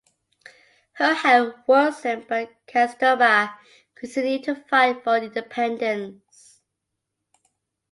Her health worsened but Kasturba continued to fight for independence.